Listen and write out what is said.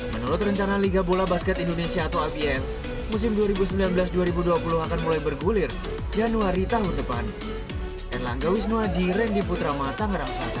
menurut rencana liga bola basket indonesia atau abf musim dua ribu sembilan belas dua ribu dua puluh akan mulai bergulir januari tahun depan